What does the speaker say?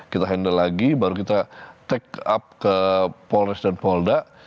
kita handle lagi baru kita take up ke polres dan polda